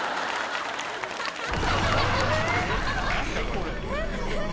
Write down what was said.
これ。